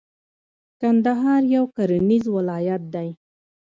کندهار یو کرنیز ولایت دی.